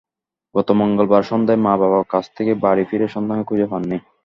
গত মঙ্গলবার সন্ধ্যায় মা বাবা কাজ থেকে বাড়ি ফিরে সন্তানকে খুঁজে পাননি।